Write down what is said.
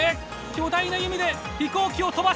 巨大な弓で飛行機を飛ばす！？